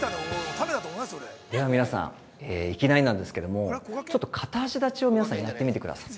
◆では皆さん、いきなりなんですけども片足立ちを、皆さん、やってみてください。